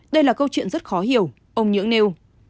đây là câu chuyện rất khó hiểu ông nhưỡng nêu